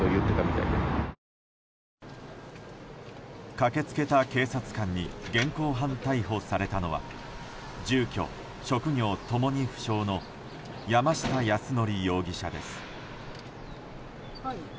駆け付けた警察官に現行犯逮捕されたのは住居・職業共に不詳の山下泰範容疑者です。